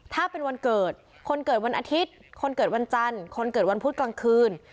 ถ้าเป็นวันเกิดคนเกิดวันอาทิตย์คนเกิดวันจันทร์คนเกิดวันพุธกลางคืน